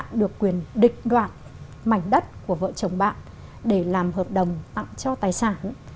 cho bạn được quyền địch đoạn mảnh đất của vợ chồng bạn để làm hợp đồng tặng cho tài sản